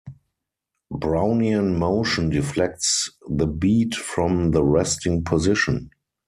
Brownian motion deflects the bead from the resting position.